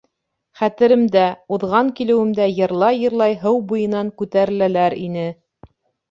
Хәтеремдә, уҙған килеүемдә йырлай-йырлай һыу буйынан күтәреләләр ине.